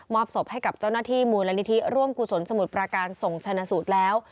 อบศพให้กับเจ้าหน้าที่มูลนิธิร่วมกุศลสมุทรประการส่งชนะสูตรแล้ว